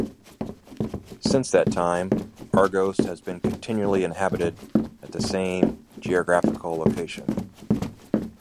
Since that time, Argos has been continually inhabited at the same geographical location.